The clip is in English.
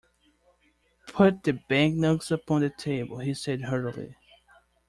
"Put the banknotes upon the table," he said hurriedly.